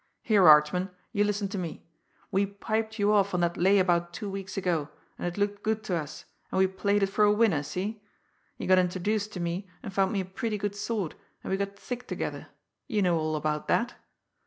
Here, Archman, you listen to me! We piped you off on that lay about two weeks ago and it looked good to us, and we played it for a winner, see? You got introduced to me, and found me a pretty good sort, and we got thick together you know all about that.